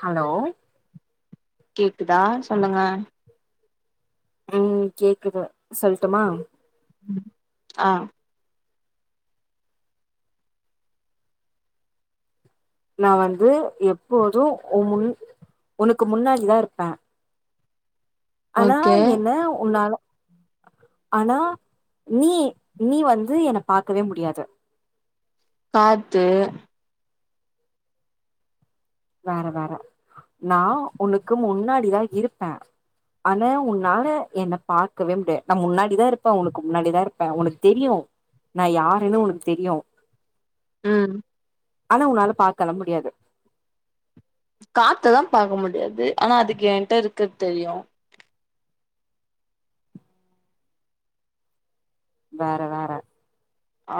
hello கேக்குதா சொல்லுங்க ம் கேக்குது சொல்டுமா ஆ நா வந்து எப்போதும் உ முன் உனக்கு முன்னாடிதா இருப்பேன் ஆனா ஓகே என்ன உன்னால ஆனா நீ நீ வந்து என பாக்கவே முடியாது பாத்து வேற வேற நா உனக்கு முன்னாடிதான் இருப்பேன் ஆனா உன்னால என்ன பாக்கவே முடியாது நா முன்னாடிதான் இருப்பேன் உனக்கு முன்னாடிதான் இருப்பேன் உனக்கு தெரியும் நா யாருன்னு உனக்கு தெரியும் ம் ஆனா உன்னால பாக்கலாம் முடியாது காத்து தா பாக்க முடியாது ஆனா அதுக்கு என்ட்ட இருக்கறது தெரியும் வேற வேற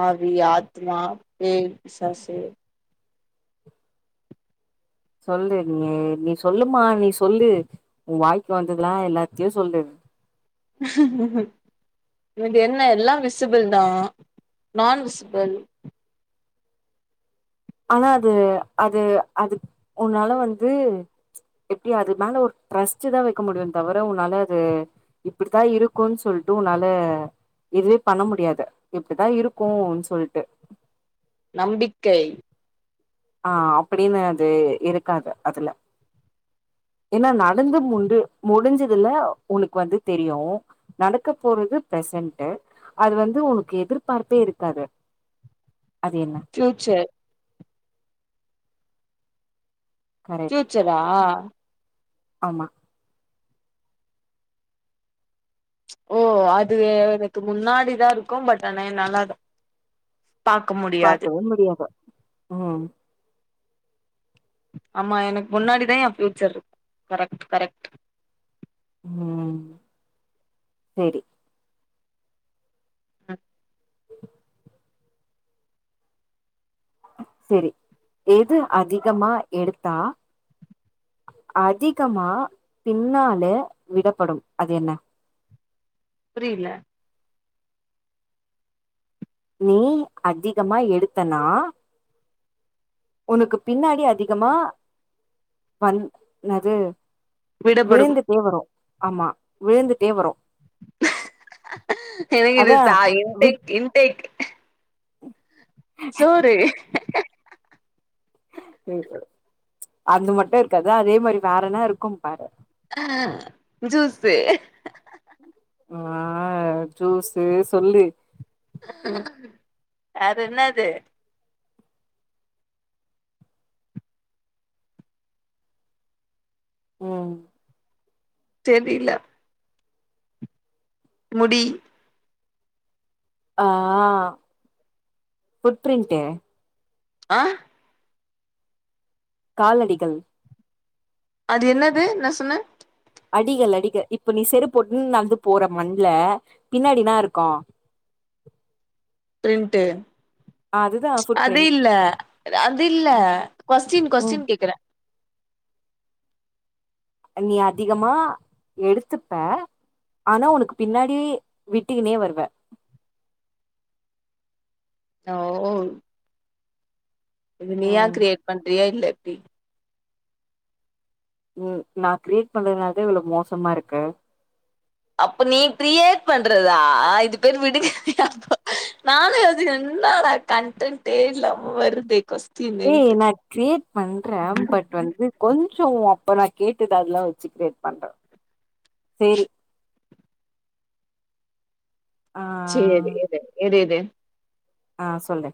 ஆவி ஆத்மா பேய் பிசாசு சொல்லு நீ நீ சொல்லுமா நீ சொல்லு உன் வாய்க்கு வந்ததெல்லாம் எல்லாத்தையும் சொல்லு உனக்கு என்ன எல்லாம் விசிபிள் தான் நான் விசிபிள் ஆனா அது அது அது உன்னால வந்து எப்டி அது மேல ஒரு ட்ரஸ்ட் தான் வைக்க முடியுமே தவிர உன்னால அது இப்டித்தான் இருக்கும்ன்னு சொல்லிட்டு உன்னால இதுவே பண்ண முடியாது இப்டித்தான் இருக்கும் அப்டின்னு சொல்ட்டு நம்பிக்கை ஆ அப்டின்னு அது இருக்காது அதுல ஏன்னா நடந்து முண்டு முடிஞ்சதுல உனக்கு வந்து தெரியும் நடக்க போறது பிரசன்ட் அது வந்து உனக்கு எதிர்பார்ப்பே இருக்காது அது என்ன ஃபியூச்சர் கரெக்ட் ஃபியூச்சரா ஆமா ஓ அது எனக்கு முன்னாடிதான் இருக்கும் பட் ஆனா என்னால பாக்க முடியாது பாக்கவே முடியாது ம் ஆமா எனக்கு முன்னாடிதான் என் ஃபியூச்சர் கரெக்ட்டு கரெக்ட்டு ம் சேரி ம் செரி எது அதிகமா எடுத்தா அதிகமா பின்னால விடப்படும் அது என்ன புரியல நெய் அதிகமா எடுத்தனா உனக்கு பின்னாடி அதிகமா வந் என்னது விடப்படும் விழுந்துட்டே வரும் ஆமா விழுந்துட்டே வரும் எனக்கு இது அதா சா விட் இன்டெக் இன்டேக் சோறு அது மட்டும் இருக்காது அதே மாரி வேறனா இருக்கும் பாரு ஆ ஜூசு ஆ ஜூசு சொல்லு வேற என்னது ம் தெரில முடி ஆ புட் பிர்ண்ட்டு ஆ காலடிகள் அது என்னது என்ன சொன்ன அடிகள் அடிக இப்ப நீ செருப்போட்டுன் நடந்து போற மண்ல பின்னாடி என்ன இருக்கு ஃப்ரெண்ட்டு அதுதா ஃபுட் அது பிரிண்ட் இல்ல அது இல்ல கொஸ்டின் ம் கொஸ்டின் கேக்குற நீ அதிகமா எடுத்துப்ப ஆனா உனக்கு பின்னாடி விட்டிக்குனே வருவ ஓ இது நீயா ம் கிரியேட் பண்றியா இல்ல டி ம் நா கிரியேட் பண்றனாலதா இவ்வளோ மோசமா இருக்கு அப்ப நீ கிரியேட் பண்றதா இது பேரு விடுக் ப்ப நானு அது என்னடா கன்டன்டு இல்லாம வருது ஏய் நா கிரேட் பண்ற பட் வந்து கொஞ்சோ அப்ப நா கேட்டுது அதெல்லா வெச்சு கிரேட் பண்ற சேரி ஆ சேரி எது எது எது ஆ சொல்லு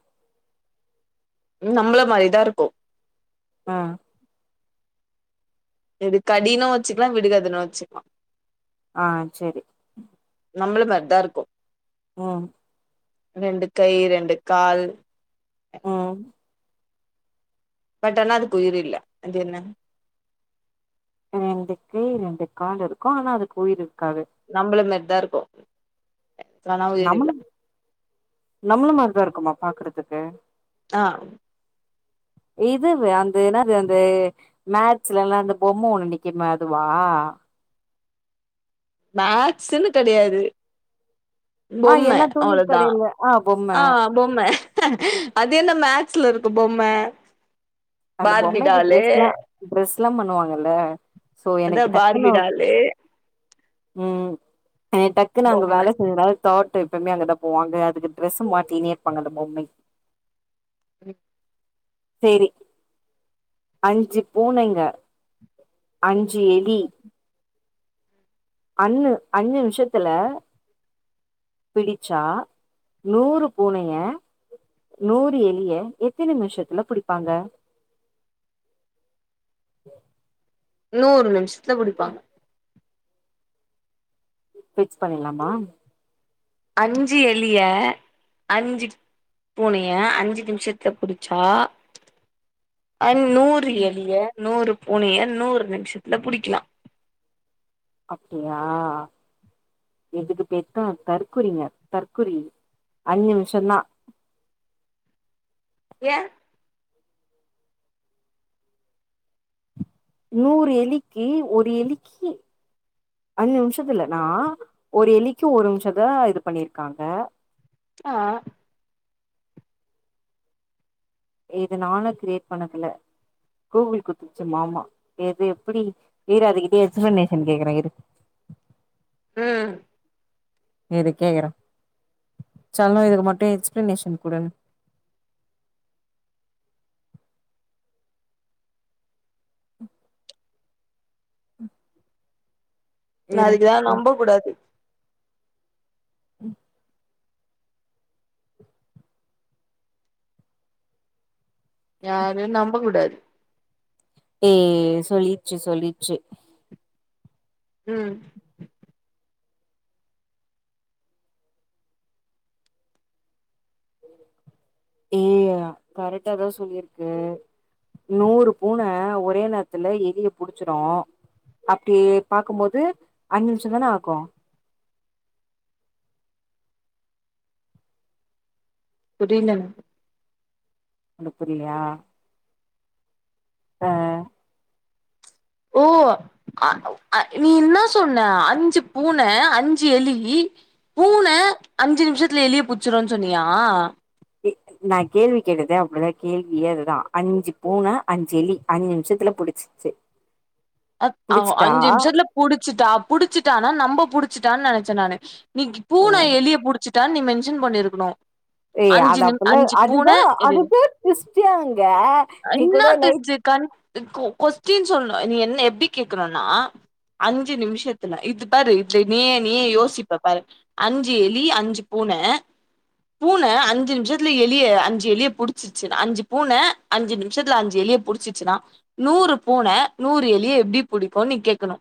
நம்மள மாரிதா இருக்கு ஆ இது கடினு வெச்சுக்கலா விடுகதன்னு வெச்சுக்கலா ஆ சேரி நம்ள மார்தா இருக்கு ம் ரெண்டு கை ரெண்டு கால் ம் பட் ஆனா அதுக்கு உயிரில்ல அது என்ன ரெண்டு கை ரெண்டு கால் இருக்கு ஆனா அதுக்கு உயிர் இருக் நம்மள மாரி இதா இருக்கு ஆனா உயிர் நம்மள இல்ல நம்மள மார்தா இருக் க்குமா பாக்குறதுக்கு ஆ இதுவே அந்த என்னது அந்த மேக்சுலெல்ல அந்த பொம்ம ஒண்ணு நக்குமே அதுவா மேக்ஸ்சுன்னு கெடையாது ஆ பொம்ம எல்லா துணி அவ்ளோதா கடையில ஆ பொம்ம ஆ பொம்ம அது என்ன மேக்ஸ்ல இருக்கு பொம்ம அந்த பார்பி பொம்மைக்கு டாலு டிரெஸ்ல்லா டிரெஸ்ல்லாம் பண்ணுவாங்கல்ல சோ அதா எனக்கு பார்பி டக்குன்னோ டாலு ம் அ டக்கு அங்க பொம்ம வேலை செய்யிறாள் தாட் எப்பவுமே அங்கதா போவாங்க அதுக்கு ட்ரெஸ்சு மாத்திகினே இருப்பாங்க அந்த பொம்மக்கி ம் சேரி அஞ்சு பூனைங்க அஞ்சு எலி அன்னு அஞ்சு நிம்ஷத்துல பிடிச்சா நூறு பூனைய நூறு எலிய எத்தின் நிம்ஷத்துல புடிப்பாங்க நூறு நிம்ஷு ட்ல புடிப்பாங்க பிக்ஸ் பண்ணில்லாமா அஞ்சு எலிய அஞ்சு பூனைய அஞ்சு நிம்ஷத்துல புடிச்சா அன் நூறு எலிய நூறு பூனைய நூறு நிம்ஷத்துல புடிக்கலாம் அப்டியா இதுக்கு பேர்தா தற்குறிங்க தற்குரி அஞ்சு நிம்ஷந்தான் யேன் நூறு எலிக்கி ஒரு எலிக்கி அஞ்சு நிம்ஷத்துல நா ஒரு எலிக்கி ஒரு நிம்ஷத்து தான் இது பண்ணிருக்காங்க ஆ இது நானா கிரியேட் பண்ணதுல்ல கூகுள் குடுத்துச்சு மாமா எது எப்டி இரு அதுகிட்டயே எக்ஸ்பிளனேஷன் கேக்குறே இரு ம் இரு கேக்குறே சொல்னும் இதுக்கு மட்டு எக்ஸ்பிளனேஷன் குடுன்னு ம் ம் அதுக்குதா நம்ப கூடாது ம் யாரு நம்ப கூடாது ம் சொல்லிச்சு சொல்லிச்சு ம் ம் கரெக்டாதா சொல்லிருக்கு நூறு பூனை ஒரே நேரத்துல எலிய புடிச்சிரும் அப்டி பாக்கம்போது அஞ்சு நிமிஷம் தானே ஆகும் புரில அனுப்புரியா ப ஓ அ ஒ அ நீ இன்னா சொன்ன அஞ்சு பூனை அஞ்சு எலி பூனை அஞ்சு நிமிஷத்துல எலிய புச் சுடும் சொன்னியா நா கேள்வி கேட்டதே அப்டிதா கேள்வியே அதுதான் அஞ்சு பூனை அஞ்சு எலி அஞ்சு நிம்ஷத்துல புடிச்சிச்சு அக் அவோ புடிச்சிட்டா அஞ்சு நிம்ஷத்துல புடிச்சுட்டா புடிச்சுட்டனா நம்ப புடிச் சுட்டான்னு நெனைச்சே நானு நீ ஓ பூனை எலிய புடிச்சட்டா நீ மென்ஸ் சன் பண்ணிருக்கணு ஏய் அஞ்சு அது நிம் அப்பல்லாம் அஞ்சு பூன அதுதான் இது அதுதான் ட்விஸ்டே அங்க நீ கூட என்னா லைட் டெஸ்ட்டு கண் கொ கொஸ்டின் சொல்லனும் நீ என்ன எப்படி கேக்கணும்னா அஞ்சு நிமிஷத்துல இது பாரு நீயே நீயே யோசிப்ப பாரு அஞ்சு எலி அஞ்சு பூனை பூனை அஞ்சு நிமிஷத்துல எலிய அஞ்சு எலிய புடிச்சிச்சு அஞ்சு பூனை அஞ்சு நிமிஷத்துல அஞ்சு எலிய புடிச்சிச்சுன்னா நூறு பூனை நூறு எலிய எப்படி புடிக்கும்னு நீ கேக்கணும்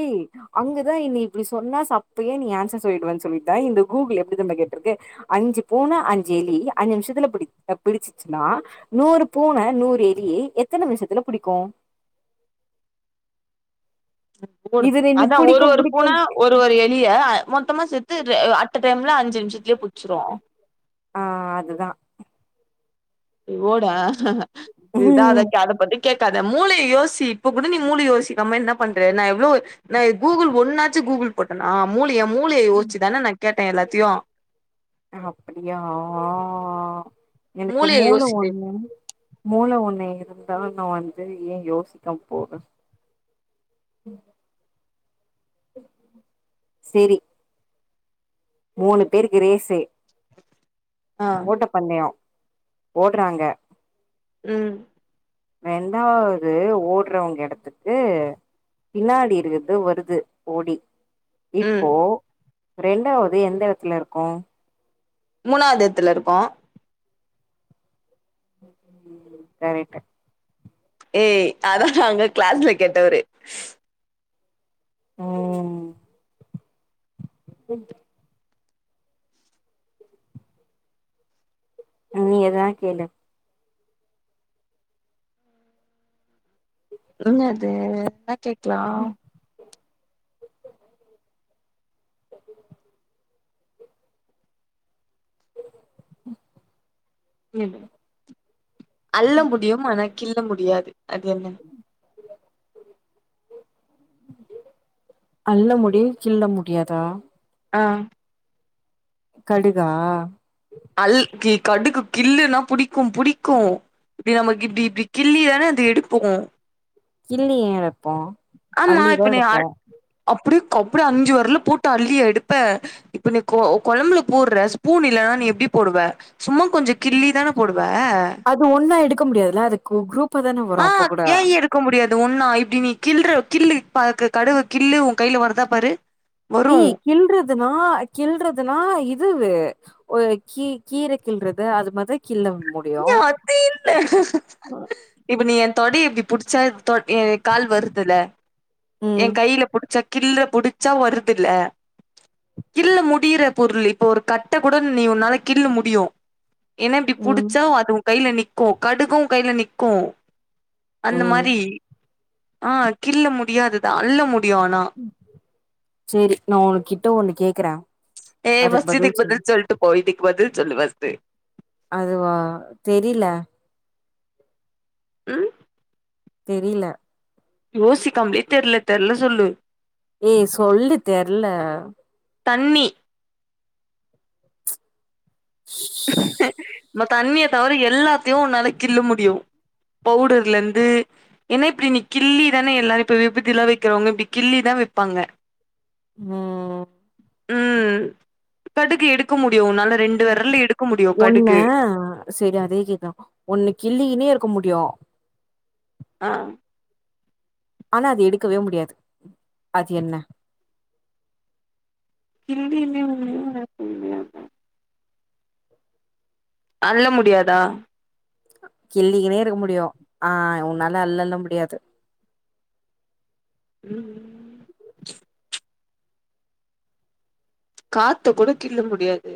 ஏய் அங்கதான் என்ன இப்படி சொன்னா அப்பே நீ ஆன்சர் சொல்லிடுவன்னு சொல்லிதான் இந்த கூகுள் எப்படி நம்ம கேட்டிருக்கு அஞ்சு பூனை அஞ்சு எலி அஞ்சு நிமிஷத்துல பிடி பிடிச்சிச்சுன்னா நூறு பூனை நூறு எலிய எத்தனை நிமிஷத்துல புடிக்கும் கூடு அதான் ஒரு ஒரு புடிக்கு பூனை ஒரு ஒரு எலிய மொத்தமா சேர்த்து அட்ட டைம்ல அஞ்சு நிமிஷத்துலயே புடிச்சிரும் ஆ அதுதா ஓடா இதா அத ம் [unintelligible] பத்தி கேட்காத மூலைய யோசி இப்ப கூட நீ மூளைய யோசிக்காம என்ன பண்ற நான் எவ்ளோ கூகுள் ஒன்னாச்சு கூகுள் போட்டேனா மூலைய அப்படியா எனக்கு மூளைய மூல யோசிட்டு ஒன்னு மூளை ஒன்னு இருந்தால் நான் வந்து ஏன் யோசிக்க போறேன் செரி மூணு பேருக்கு ரேசு ஆ ஓட்ட பந்தயம் ஓடுறாங்க ம் ரெண்டாவது ஓடுறவங்க இடத்துக்கு பின்னாடி இருக்கறது வருது ஓடி ம் இப்போ ரெண்டாவது எந்த இடத்துல இருக்கோம் மூணாவது இடத்துல இருக்கோம் கரெக்ட்டு ஏய் அதான் அங்க கிளாஸ்ல கெட்டவரு ம் ம் நீயே தான் கேளு என்ன அது என்ன கேக்கலாம் ம் அல்ல முடியும் ஆனா கில்ல முடியாது அது என்ன அல்ல முடியும் கில்ல முடியாதா ஆ கடுகா அல்கி கடுக்கு கில்ள்ளுன்னா புடிக்கு புடிக்கு இப்பிடி நமக்கு இப்பிடி இப்பிடி கிள்ளி தான அது எடுப்போ கிள்ளி ஏறப் ஆமா இப்ப நீ அப்பிடிக் அப்பிடியே அஞ்சு வெரல போட் த் அள்ளி எடுப்ப இப்ப நீ கொ கொழம்புல போடற ஸ்பூன் இல்லன்னா நீ எப்பிடி போடுவ சும்மா கொஞ்ச அது ஒன்னா எடுக்க முடியாதுல்ல அதுக்கு குரூப்பா தான வரு அப்பகூட அது ஒன்னா இப்பிடி நீ கிள்ளற கிள்ளி பா கடுவு கிள்ளு உ கையில வருதா பாரு வரு யே கிள்றதுனா கிள்றதுனா இதுவு ஒரு கீ கீரை கில்லறது அது மாரிதா கிள்ள ஏ அது இல்ல இப்ப நீ என் தொட இப்பிடி புடிச்சா கால் வருதுல ஏ ம் கையில புடிச்சா கிள்ள புடிச்சா வருதுல்ல கிள்ள முடியிற பொருள் இப்ப ஒரு கட்ட கூட நீ உன்னால கிள்ளு முடியு ஏன இப்பிடி ம் புடிச்சா அது வரு கையில நி்க்கு கடுக்கு கையில நிக்கு அந்த ம் மாரி ஆ கிள்ள முடியாது த அல்ல முட் சேரி நா உன் கிட்ட ஒண்ணு கேக்குறே ஏ அதுக்கு பஸ்ட் இதுக்கு சொல்லு பதில் சொல்ட்டு போ இது பதில் சொல்லு பஸ்ட்டு அதுவா தெரியல ம் தெரியல யோசிக்காமயே தெர்ல தெர்ல சொல்லு ஏ சொல்லு தெர்ல தண்ணி [unintelligible] நா தண்ணிய தவிர எல்லாத்தையு உன்னால கிள்ள முடியு பவுடர்ல இந்து ஏன்னா இப்பிடி நீ கிள்ளி தானே எல்லாரு இப்ப விபுதில்லா வைக்கிறவுங்க இப்பிடி கிள்ளிதா வைப்பாங்க ம் ம் ம் கடுகு எடுக்க முடி உன்னால ரெண்டு வெரல எடு ஒன்ன சேரி அதே கேக்குறே ஒன்ன கிள்ளிகின்னே இங்கியு இருக்க முடியு ஆ ஆனா அது எடுக்கவே முடியாது அது என்ன கில்லி மே [inaudible] தெரியாதுக்கா அல்ல முடியாதா கிள்ளிகின்னே இருக்க முடியு ஆ உன்னால அல்லல்ல முடியாது ம் ம் காத்த கூட கிள்ள முடியாது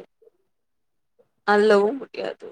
அல்லவு முடியாது